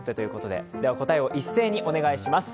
では答えを一斉にお願いします。